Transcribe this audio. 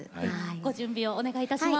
ご準備をお願いいたします。